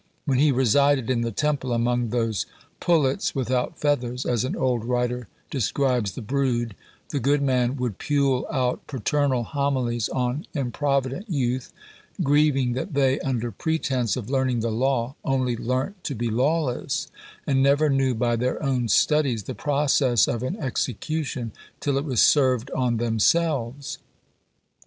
When he resided in the Temple among those "pullets without feathers," as an old writer describes the brood, the good man would pule out paternal homilies on improvident youth, grieving that they, under pretence of "learning the law, only learnt to be lawless;" and "never knew by their own studies the process of an execution, till it was served on themselves."